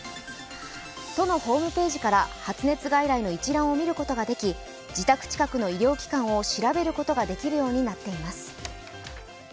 都のホームページから発熱外来の一覧を見ることができ、自宅近くの医療機関を調べることができるようになっています。